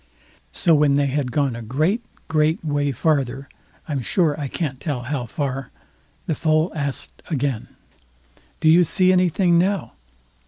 So when they had gone a great, great way farther—I'm sure I can't tell how far—the Foal asked again: "Do you see anything now?"